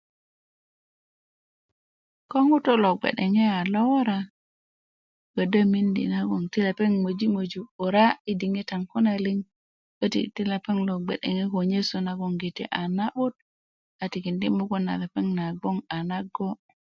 ko ŋutu' lo gbe'dŋe a lowora ködö miindi nagoŋ ti lepeŋ möji' möju 'bura yi diŋitan kune liŋ köti' ti lepeŋ gbe'de ko nyesu nagoŋ a na'but a tikindi' mugun na lepeŋ gbe a nago'